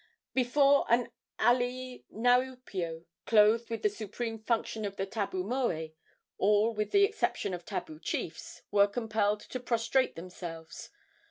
Before an alii niaupio, clothed with the supreme function of the tabu moe, all, with the exception of tabu chiefs, were compelled to prostrate themselves.